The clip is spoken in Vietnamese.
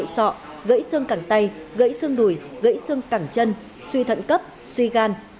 sọ gãy xương cẳng tay gãy xương đùi gãy xương cẳng chân suy thận cấp suy gan